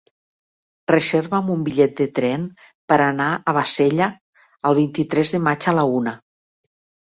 Reserva'm un bitllet de tren per anar a Bassella el vint-i-tres de maig a la una.